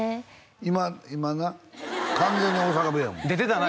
今今な完全に大阪弁やもん出てたな？